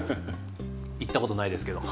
行ったことないですけど。